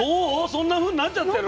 そんなふうになっちゃってる？